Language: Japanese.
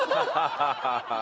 ハハハハ！